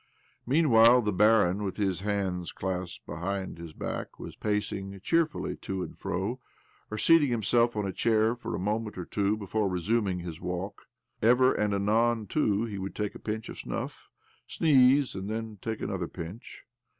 Meanwhile the barin, with hands clasped behind his back, was pacing cheerfully to and fro, or seating himself on a chair for a moment or two before resuming his walk. Ever and anon, too, he would take a pinch of snuff, sneeze, and then take another pinch.